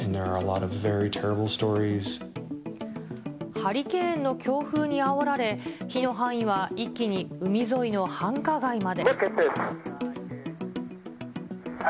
ハリケーンの強風にあおられ、火の範囲は一気に海沿いの繁華街まで。